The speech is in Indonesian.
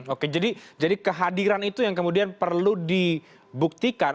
oke jadi kehadiran itu yang kemudian perlu dibuktikan